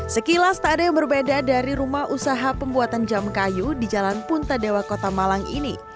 sekilas tak ada yang berbeda dari rumah usaha pembuatan jam kayu di jalan punta dewa kota malang ini